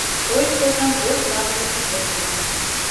Той шыжым ош ландышым от му.